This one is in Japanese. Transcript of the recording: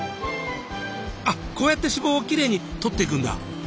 あっこうやって脂肪をきれいに取っていくんだ。